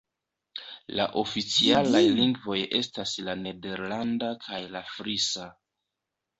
La oficialaj lingvoj estas la nederlanda kaj la frisa.